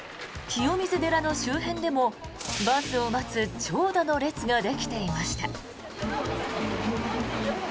清水寺の周辺でもバスを待つ長蛇の列ができていました。